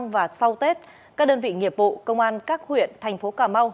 và sau tết các đơn vị nghiệp vụ công an các huyện thành phố cà mau